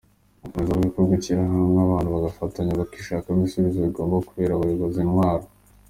Akomeza avuga ko gushyira hamwe abantu bagafatanya bakishakamo ibisubizo bigomba kubera abayobozi intwaro.